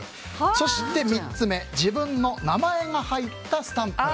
そして３つ目自分の名前が入ったスタンプ。